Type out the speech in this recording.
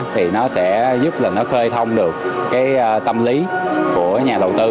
thì nó sẽ giúp là nó khơi thông được cái tâm lý của nhà đầu tư